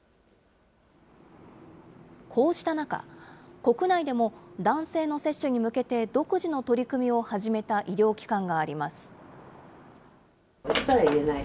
こうした中、国内でも男性の接種に向けて独自の取り組みを始めた医療機関があります。